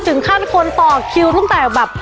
ถึงขั้นคนต่อคิวตั้งแต่แบบ